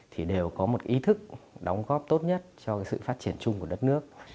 thì đều có một ý thức đóng góp tốt nhất cho sự phát triển chung của đất nước